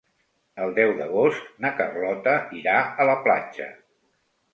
El deu d'agost na Carlota irà a la platja.